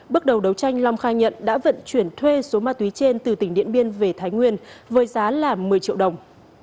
bước đầu đấu tranh long khai nhận đã vận chuyển thuê số ma túy trên từ tỉnh điện biên về thái nguyên với giá một mươi triệu đồng